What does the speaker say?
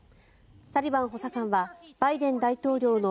サリバン補佐官はバイデン大統領の